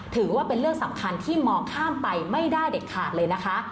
ถือว่าเป็นเรื่องสำคัญที่มองข้ามไปไม่ได้เด็ดขาดเลยนะคะ